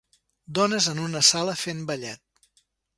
Dones en una sala fent ballet.